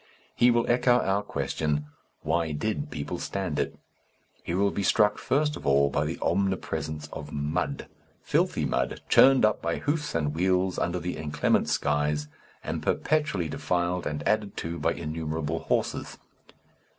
He will echo our question, "Why did people stand it?" He will be struck first of all by the omnipresence of mud, filthy mud, churned up by hoofs and wheels under the inclement skies, and perpetually defiled and added to by innumerable horses.